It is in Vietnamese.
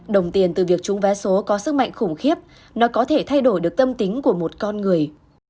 đồng tiền từ việc trúng vé số có sức mạnh khủng khiếp nó có thể thay đổi được tâm tính của một con người